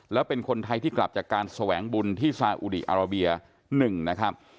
แล้วเป็นคนไทยที่กลับจากการแสวงบุญที่ซาอุดีอาราเบีย๑นะครับ